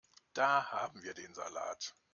Da haben wir den Salat.